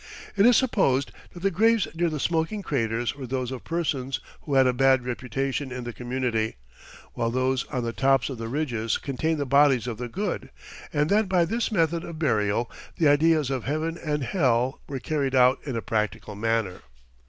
It is supposed that the graves near the smoking craters were those of persons who had a bad reputation in the community, while those on the tops of the ridges contained the bodies of the good, and that by this method of burial the ideas of heaven and hell were carried out in a practical manner.